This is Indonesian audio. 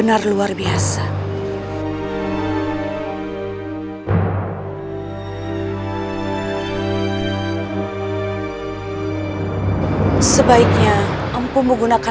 aku warisi dari guruku